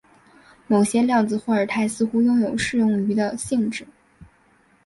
某些量子霍尔态似乎拥有适用于的性质。